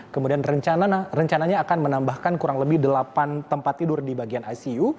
kemudian rencananya akan menambahkan kurang lebih delapan tempat tidur di bagian icu